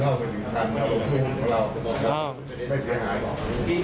และน่ากลัวครมปรากฏคับพนนี้